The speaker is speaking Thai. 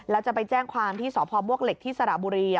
แล้วจะไปแจ้งความที่สพบวกเหล็กที่สระบุรี